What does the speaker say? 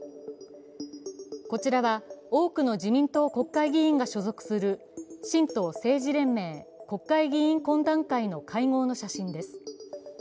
こちらは多くの自民党国会議員が所属する神道政治連盟国会議員懇談会の会合の写真です。